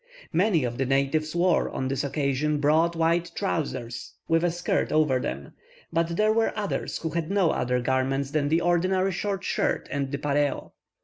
Many of the natives wore, on this occasion, broad white trousers, with a shirt over them; but there were others who had no other garments than the ordinary short shirt and the pareo.